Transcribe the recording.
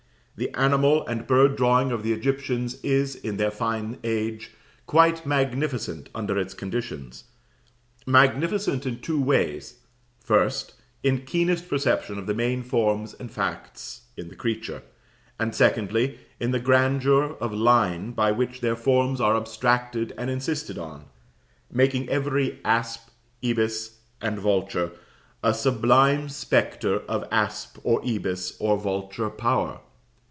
The animal and bird drawing of the Egyptians is, in their fine age, quite magnificent under its conditions; magnificent in two ways first, in keenest perception of the main forms and facts in the creature; and, secondly, in the grandeur of line by which their forms are abstracted and insisted on, making every asp, ibis, and vulture a sublime spectre of asp or ibis or vulture power.